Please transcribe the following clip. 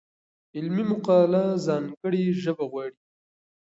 علمي مقاله ځانګړې ژبه غواړي.